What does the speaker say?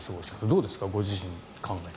どうですか、ご自分を考えて。